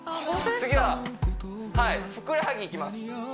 次ははいふくらはぎいきます